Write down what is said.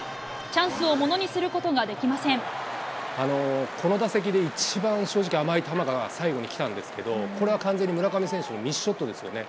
チャンスをものにすることができこの打席で一番正直、甘い球が最後に来たんですけど、これは完全に村上選手のミスショットですよね。